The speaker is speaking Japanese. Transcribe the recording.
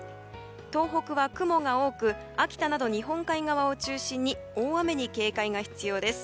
東北は雲が多く秋田など日本海側を中心に大雨に警戒が必要です。